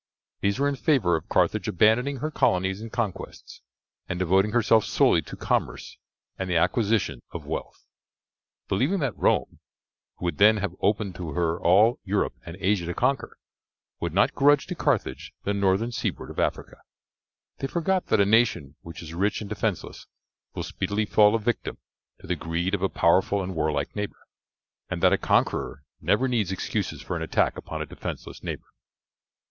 These were in favour of Carthage abandoning her colonies and conquests, and devoting herself solely to commerce and the acquisition of wealth. Believing that Rome, who would then have open to her all Europe and Asia to conquer, would not grudge to Carthage the northern seaboard of Africa, they forgot that a nation which is rich and defenceless will speedily fall a victim to the greed of a powerful and warlike neighbour, and that a conqueror never needs excuses for an attack upon a defenceless neighbour.